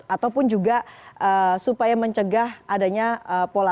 ataupun juga supaya mencegah adanya pola